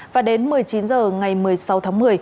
và đến một mươi chín giờ ngày một mươi năm tháng một mươi